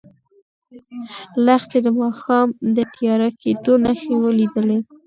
لښتې د ماښام د تیاره کېدو نښې ولیدې.